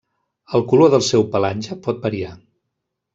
El color del seu pelatge pot variar.